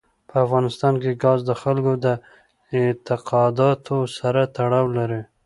په افغانستان کې ګاز د خلکو د اعتقاداتو سره تړاو لري.